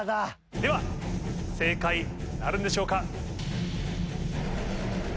では正解なるんでしょうか？